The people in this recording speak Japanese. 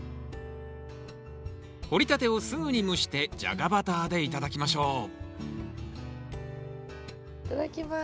掘りたてをすぐに蒸してジャガバターで頂きましょういただきます。